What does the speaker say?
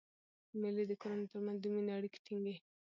مېلې د کورنیو تر منځ د میني اړیکي ټینګي.